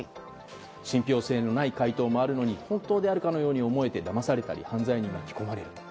信憑性のない回答もあるのに本当であるかのように思えてだまされて犯罪に巻き込まれる。